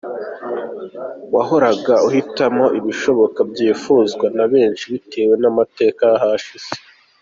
Wahoraga uhitamo ibishoboka byifuzwa na benshi bitewe n’amateka y’ahashize.